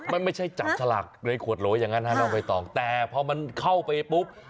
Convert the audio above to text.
มันไม่ใช่จับฉลากในขวดโหลอย่างนั้นฮะน้องใบตองแต่พอมันเข้าไปปุ๊บ